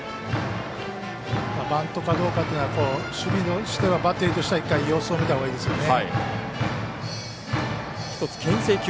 バントかどうかというのは守備としてはバッテリーとしては一回、様子を見たほうがいいですね。